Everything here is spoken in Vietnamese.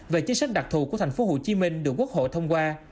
về chính sách đặc thù của thành phố hồ chí minh được quốc hội thông qua